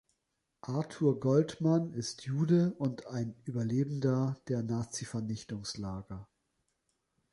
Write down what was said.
Arthur Goldman ist Jude und ein Überlebender der Nazivernichtungslager.